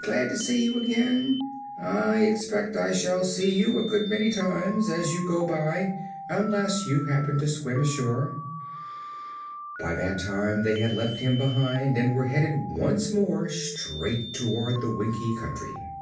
Glad to see you again. I expect I shall see you a good many times, as you go by, unless you happen to swim ashore." By that time they had left him behind and were headed once more straight toward the Winkie Country.